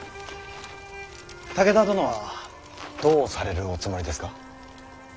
武田殿はどうされるおつもりですか。